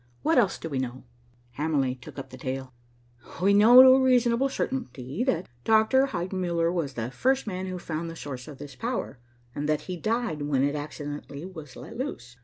What else do we know?" Hamerly took up the tale. "We know to a reasonable certainty that Dr. Heidenmuller was the first man who found the source of this power, and that he died when it accidentally was let loose.